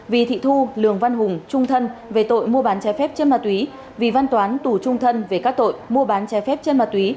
vì thị thu lường văn hùng trung thân về tội mua bán trái phép chất ma túy vì văn toán tù trung thân về các tội mua bán trái phép trên ma túy